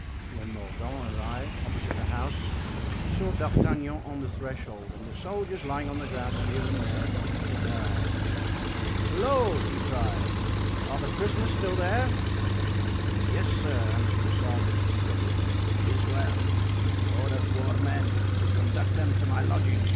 When Mordaunt arrived opposite the house he saw D'Artagnan on the threshold and the soldiers lying on the grass here and there, with their arms. "Halloo!" he cried, "are the prisoners still there?" "Yes, sir," answered the sergeant, uncovering. "'Tis well; order four men to conduct them to my lodging."